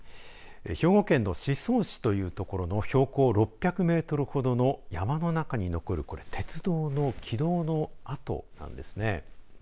兵庫県の宍粟市という所の標高６００メートルほどの山の中に残るこれ鉄道の軌道の跡なんですね。